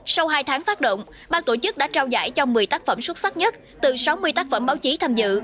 sau hai tháng phát động ban tổ chức đã trao giải cho một mươi tác phẩm xuất sắc nhất từ sáu mươi tác phẩm báo chí tham dự